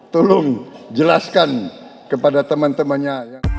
tolong jelaskan kepada teman temannya